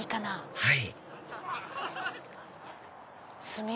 はい。